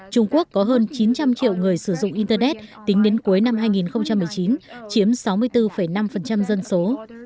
trung quốc có hơn chín trăm linh triệu người sử dụng internet tính đến cuối năm hai nghìn một mươi chín chiếm sáu mươi bốn năm dân số